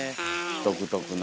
独特な。